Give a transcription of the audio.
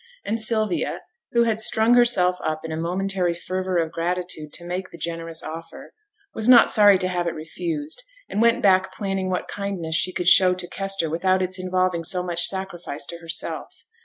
And Sylvia, who had strung herself up in a momentary fervour of gratitude to make the generous offer, was not sorry to have it refused, and went back planning what kindness she could show to Kester without its involving so much sacrifice to herself.